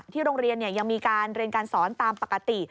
โรงเรียนยังมีการเรียนการสอนตามปกติ